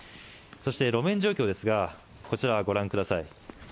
そして路面状況ですがこちらをご覧ください。